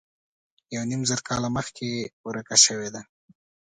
یو نیم زر کاله مخکې ورکه شوې ده.